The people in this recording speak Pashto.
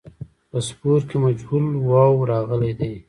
په سپور کې مجهول واو راغلی دی.